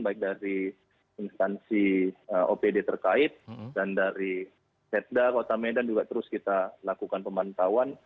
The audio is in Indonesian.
baik dari instansi opd terkait dan dari setda kota medan juga terus kita lakukan pemantauan